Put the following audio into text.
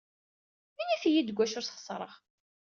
Init-iyi-d deg wacu ay sxeṣreɣ.